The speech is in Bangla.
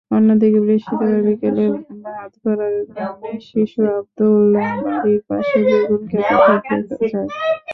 অন্যদিকে বৃহস্পতিবার বিকেলে ভাতগড়া গ্রামে শিশু আবদুল্লাহ বাড়ির পাশে বেগুনখেতে খেলতে যায়।